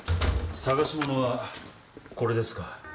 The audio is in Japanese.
捜し物はこれですか？